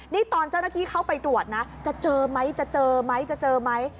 นี่ตอนเจ้าหน้าที่เข้าไปตรวจนะจะเจอไหมจะเจอไหมจะเจอไหม